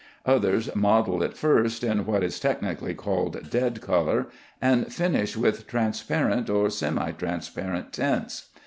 Others model it first in what is technically called dead color, and finish with transparent or semi transparent tints.